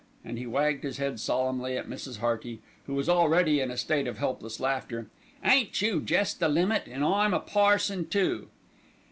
and he wagged his head solemnly at Mrs. Hearty, who was already in a state of helpless laughter, "ain't you jest the limit, and 'im a parson, too."